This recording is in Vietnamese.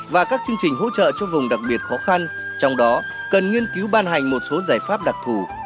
và các chương trình hỗ trợ cho vùng đặc biệt khó khăn trong đó cần nghiên cứu ban hành một số giải pháp đặc thù